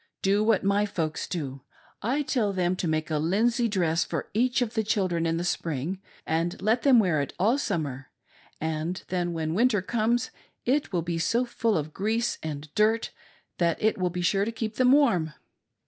Do what my folks do. I tell them to make a linsey dress for each of the chil dren, in the spring, and let them wear it all the summer, and then, when the wiiiter comes, it will be so full of grease and dirt that it will be sure to keep them warm.